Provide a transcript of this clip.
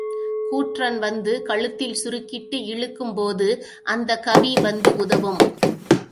கூற்றன் வந்து கழுத்தில் சுருக்கிட்டு இழுக்கும்போது அந்தக் கவி வந்து உதவும்.